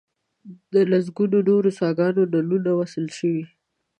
د لسګونو نورو څاګانو نلونه وصل شوي.